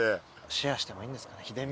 シェアしてもいいんですかね？